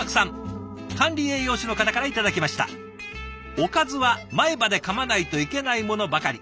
「おかずは前歯でかまないといけないものばかり。